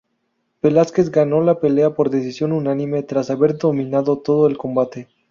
Velásquez ganó la pelea por decisión unánime, tras haber dominado todo el combate.